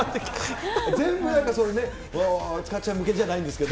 全部、塚っちゃんに向けてじゃないんですけど。